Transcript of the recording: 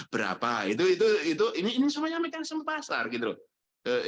berapa itu ini semuanya mekanisme pasar gitu loh